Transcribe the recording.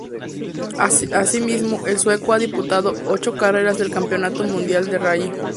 Asimismo, el sueco ha disputado ocho carreras del Campeonato Mundial de Rally.